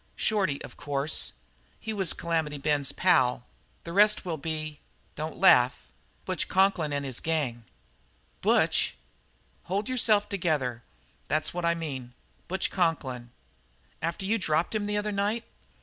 "Shorty, of course. He was Calamity Ben's pal. The rest will be don't laugh Butch Conklin and his gang." "Butch!" "Hold yourself together. That's what I mean Butch Conklin." "After you dropped him the other night?"